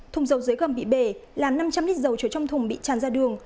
thùng dầu dưới gầm bị bể làm năm trăm linh lít dầu trở trong thùng bị tràn ra đường